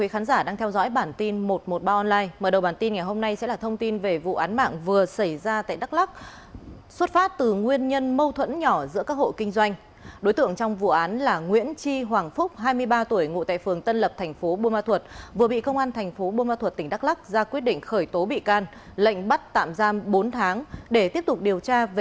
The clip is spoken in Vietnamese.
hãy đăng ký kênh để ủng hộ kênh của chúng mình nhé